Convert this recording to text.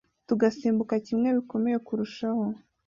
tugasimbuka bimwe bikomeye kurushaho